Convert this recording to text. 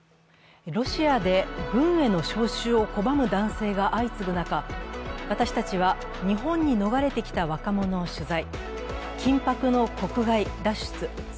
ロシアで軍への招集を拒む男性が相次ぐ中、私たちは日本に逃れてきた若者を取材。